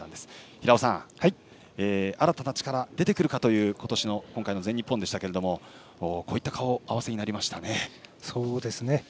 平尾さん、新たな力出てくるかという今回の全日本でしたがこういった顔合わせになりましたね。